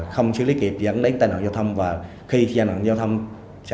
không xử lý kịp dẫn đến tai nạn giao thông và khi tai nạn giao thông xảy ra thì sẽ